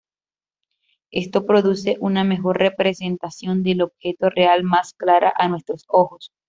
Esto produce una mejor representación del objeto real, más clara a nuestros ojos.